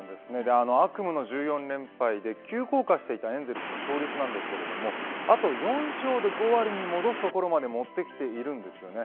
悪夢の１４連敗で急降下していたエンゼルスの勝率ですがあと４勝で５割に戻すところまでもってきているんですよね。